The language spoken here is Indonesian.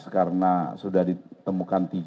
karena sudah ditemukan tiga